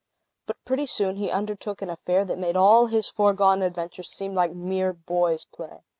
But pretty soon, he undertook an affair that made all his foregone adventures seem like mere boy's play.